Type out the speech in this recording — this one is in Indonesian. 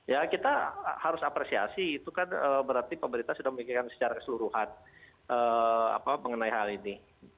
ya kita harus apresiasi itu kan berarti pemerintah sudah memikirkan secara keseluruhan mengenai hal ini